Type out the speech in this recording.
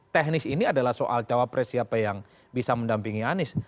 teknis ini adalah soal cawapres siapa yang bisa mendampingi anies